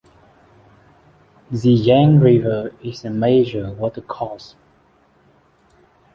The Yang River is the major watercourse.